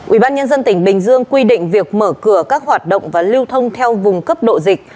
ủy ban nhân dân tỉnh bình dương quy định việc mở cửa các hoạt động và lưu thông theo vùng cấp độ dịch